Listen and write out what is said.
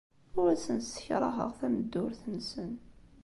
Ur asen-ssekṛaheɣ tameddurt-nsen.